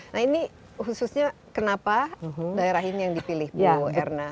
nah ini khususnya kenapa daerah ini yang dipilih bu erna